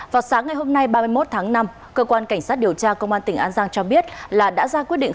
vào sáng ngày hôm nay ba mươi một tháng năm cơ quan cảnh sát điều tra công an tỉnh an giang cho biết là đã ra quyết định